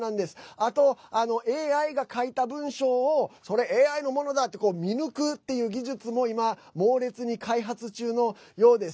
あと、ＡＩが書いた文章をそれ、ＡＩのものだって見抜くっていう技術も今、猛烈に開発中のようです。